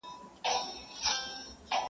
لږ ګرېوان درته قاضي کړﺉ؛ دا یو لویه ضایعه,